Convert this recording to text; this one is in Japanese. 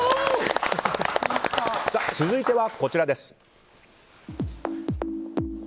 続いては、こちらです。